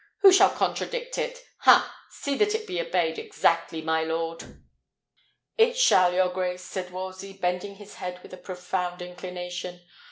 "Who shall contradict it? Ha! See that it be obeyed exactly, my lord!" "It shall, your grace," said Wolsey, bending his head with a profound inclination.